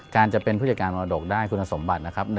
จะเป็นผู้จัดการมรดกได้คุณสมบัตินะครับ